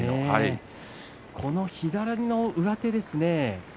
この左の上手ですね